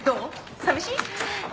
寂しい？